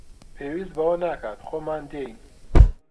پێویست بەوە ناکات، خۆمان دێین